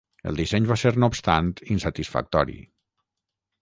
El disseny va ser no obstant insatisfactori.